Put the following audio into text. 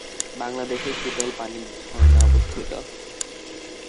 বাংলাদেশে শীতল পানির ঝরনা অবস্থিত?